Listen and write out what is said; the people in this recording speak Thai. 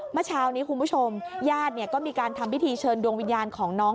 เมื่อเช้านี้คุณผู้ชมญาติก็มีการทำพิธีเชิญดวงวิญญาณของน้อง